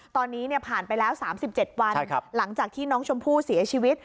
ตอนนี้ผ่านไปแล้ว๓๗วันหลังจากที่น้องชมพู่เสียชีวิต